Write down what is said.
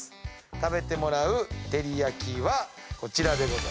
食べてもらう照り焼きはこちらでございます。